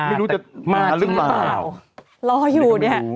ไม่รู้จะมาหรือเปล่ารออยู่เนี่ย